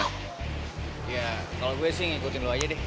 ya kalau gue sih ngikutin lu aja deh